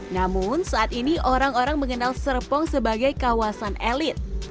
namun saat ini orang orang mengenal serpong sebagai kawasan elit